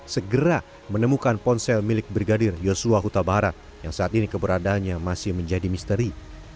segera menemukan ponsel milik brigadir joshua hutabara yang saat ini keberadaannya masih menjadi misteri